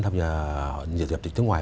thâm nhập thị trường nước ngoài